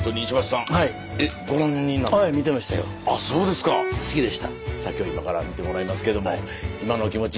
さあ今日今から見てもらいますけども今のお気持ちいかがでしょう。